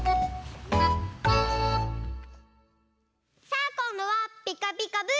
さあこんどは「ピカピカブ！」